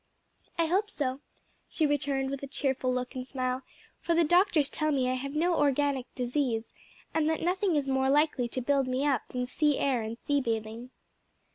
"I hope so," she returned with a cheerful look and smile, "for the doctors tell me I have no organic disease, and that nothing is more likely to build me up than sea air and sea bathing."